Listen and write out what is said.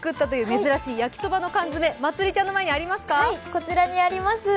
こちらにあります。